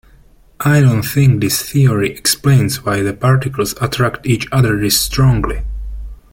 I don't think this theory explains why the particles attract each other this strongly.